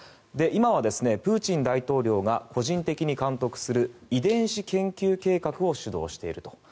今はプーチン大統領が個人的に監督する遺伝子研究計画を主導していると。